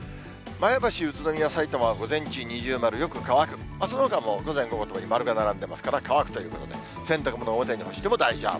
前橋、宇都宮、さいたまは午前中二重丸、よく乾く、そのほかも午前、午後とも丸が並んでますから、乾くということで、洗濯物、表に干しても大丈夫。